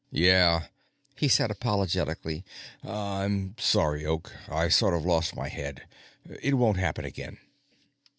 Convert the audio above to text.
"Yeah," he said apologetically. "I'm sorry, Oak. I sort of lost my head. It won't happen again."